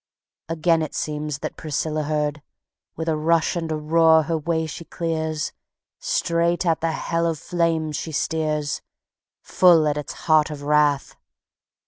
Again it seems that Priscilla hears. With a rush and a roar her way she clears, Straight at the hell of flame she steers, Full at its heart of wrath.